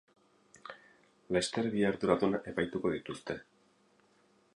Laster bi arduradun epaituko dituzte.